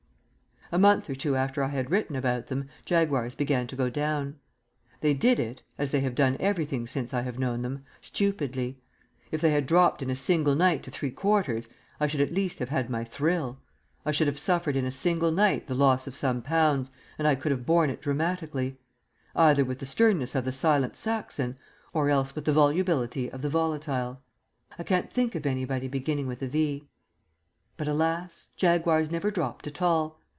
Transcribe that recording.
A month or two after I had written about them, Jaguars began to go down. They did it (as they have done everything since I have known them) stupidly. If they had dropped in a single night to 3/4, I should at least have had my thrill. I should have suffered in a single night the loss of some pounds, and I could have borne it dramatically; either with the sternness of the silent Saxon, or else with the volubility of the volatile I can't think of anybody beginning with a "V." But, alas! Jaguars never dropped at all.